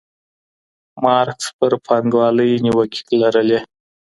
مارکس پر پانګوالۍ نیوکې لرلې.